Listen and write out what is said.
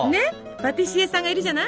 パティシエさんがいるじゃない？